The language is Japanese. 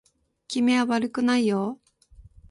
君は悪くないよ